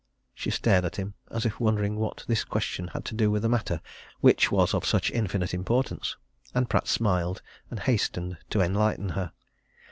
She stared at him as if wondering what this question had to do with the matter which was of such infinite importance. And Pratt smiled, and hastened to enlighten her.